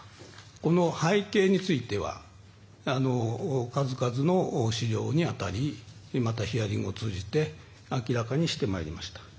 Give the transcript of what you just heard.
この背景については数々の資料に当たりまたヒアリングを通じて明らかにしてまいりました。